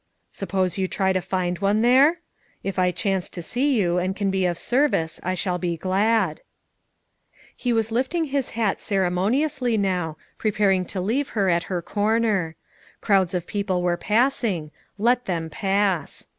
Suppose you try to find one there? If I chance 178 FOUR MOTHERS AT CHAUTAUQUA to see you and can be of service I shall be glad/' He was lifting his bat ceremoniously now, preparing to leave her at her corner. Crowds of people were passing; let them pass.